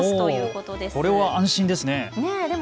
これは安心ですね。